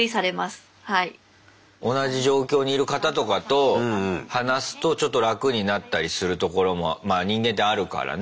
同じ状況にいる方とかと話すとちょっと楽になったりするところもまあ人間ってあるからね。